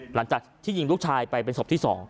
หลังจากที่ยิงลูกชายไปเป็นศพที่๒